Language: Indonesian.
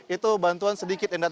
itu bantuan sedikit